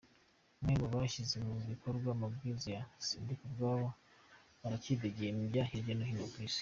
Bamwe mu bashyize mu bikorwa amabwiriza ya Sindikubwabo barakidegembya hirya no hino ku isi.